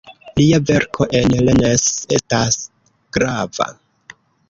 Lia verko en Rennes estas grava.